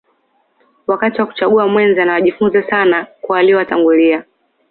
wakati wa kuchagua mwenza na wajifunze sana kwa walio watangulia